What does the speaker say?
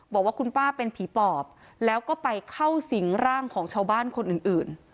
บอกว่าคุณป้าเป็นผีปอบแล้วก็ไปเข้าสิงร่างของชาวบ้านคนอื่น